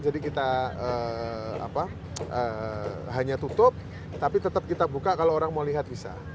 jadi kita hanya tutup tapi tetap kita buka kalau orang mau lihat bisa